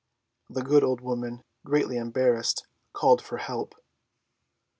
The good old woman, greatly embarrassed, called for help.